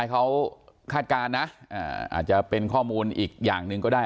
เขาคาดการณ์นะอาจจะเป็นข้อมูลอีกอย่างหนึ่งก็ได้